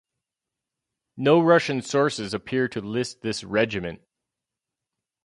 No Russian sources appear to list this regiment.